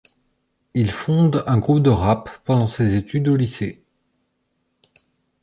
Il fonde un groupe de rap pendant ses études au lycée.